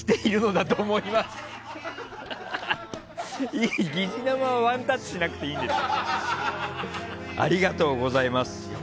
いい、疑似生はワンタッチしなくていいです。